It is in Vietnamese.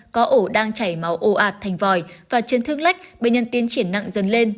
có ổ đang chảy máu ồ ạt thành vòi và chấn thương lách bệnh nhân tiến triển nặng dần lên